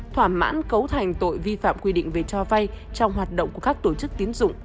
thỏa mãn cấu thành tội vi phạm quy định về cho vay trong hoạt động của các tổ chức tiến dụng